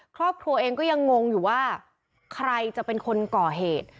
ครอบครัวเองก็ยังงงอยู่ว่าใครจะเป็นคนก่อเหตุ